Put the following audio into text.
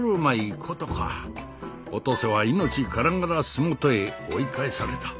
お登勢は命からがら洲本へ追い返された。